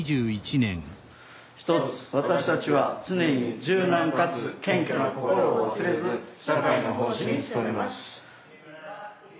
ひとつ私たちは常に柔軟かつ謙虚な心を忘れず社会の奉仕に努めます。